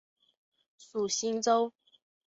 属新州。